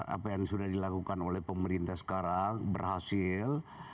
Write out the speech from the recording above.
apa yang sudah dilakukan oleh pemerintah sekarang berhasil